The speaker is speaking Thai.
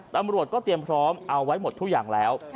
ตำรวจก็เตรียมพร้อมเอาไว้หมดทุกอย่างแล้ว